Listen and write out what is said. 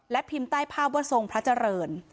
พิมพ์ใต้ภาพว่าทรงพระเจริญ